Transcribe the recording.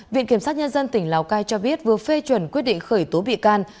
viện kiểm sát nhân dân tỉnh lào cai cho biết vừa phê chuẩn quyết định khởi tố bị can